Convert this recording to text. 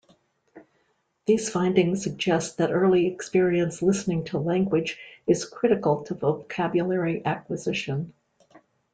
These findings suggest that early experience listening to language is critical to vocabulary acquisition.